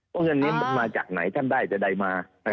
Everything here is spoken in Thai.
ว่าเงินนี้มาจากไหนท่านได้จะได้มา